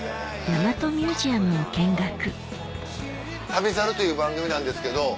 その後『旅猿』という番組なんですけど。